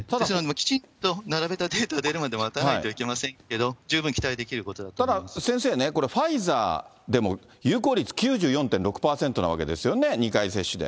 きちんと並べたデータが出るまで待たないといけませんけど、ただ、先生ね、これ、ファイザーでも有効率９４．６％なわけですよね、２回接種で。